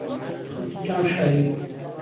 خەڵکی کام شاری